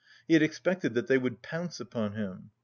He had expected that they would pounce upon him.